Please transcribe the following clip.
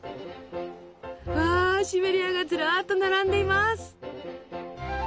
うわシベリアがずらっと並んでいます。